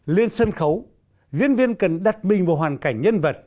lên sân khấu diễn viên cần đặt mình vào hoàn cảnh nhân vật